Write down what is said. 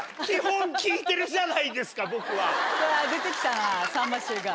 出てきたなさんま臭が。